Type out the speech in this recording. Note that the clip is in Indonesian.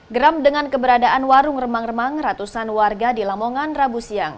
geram dengan keberadaan warung remang remang ratusan warga di lamongan rabu siang